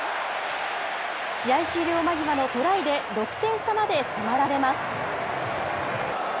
試合終了間際のトライで、６点差まで迫られます。